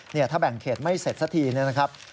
ถ้าแบ่งเขตไม่เสร็จสักทีเนี่ยนะครับ